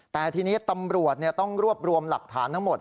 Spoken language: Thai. แต่ทีนี้ตำรวจต้องรวบรวมหลักฐานทั้งหมด